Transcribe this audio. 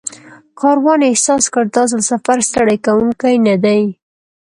کاروان احساس کړ دا ځل سفر ستړی کوونکی نه دی.